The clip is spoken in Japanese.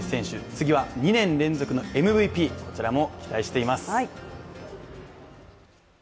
次は２年連続のＭＶＰ、こちらも期待しています。